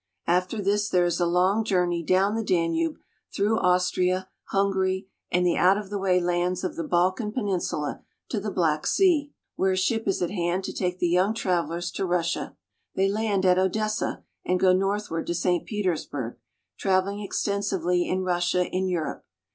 After this there is a long journey down the Danube, through Austria, Hungary, and the out of the way lands of the Balkan Peninsula to the Black Sea, where a ship is at hand to take the young travelers to Russia. They land at Odessa and go northward to St. Petersburg, traveling extensively in Russia in Europe.